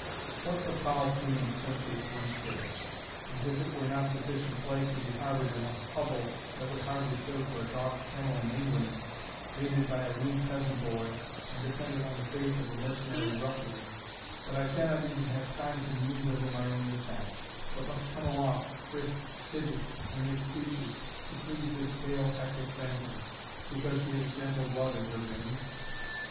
"What the foul fiend sent this wench hither? As if it were not sufficient plague to be harboured in a hovel that would hardly serve for a dog's kennel in England, baited by a rude peasant boy, and dependent on the faith of a mercenary ruffian, but I cannot even have time to muse over my own mishap, but must come aloft, frisk, fidget, and make speeches, to please this pale hectic phantom, because she has gentle blood in her veins?